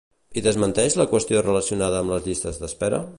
I desmenteix la qüestió relacionada amb les llistes d'espera?